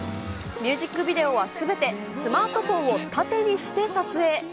ミュージックビデオはすべてスマートフォンを縦にして撮影。